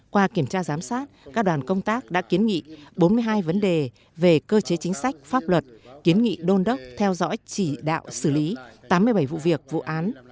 qua kiểm tra giám sát các đoàn công tác đã kiến nghị bốn mươi hai vấn đề về cơ chế chính sách pháp luật kiến nghị đôn đốc theo dõi chỉ đạo xử lý tám mươi bảy vụ việc vụ án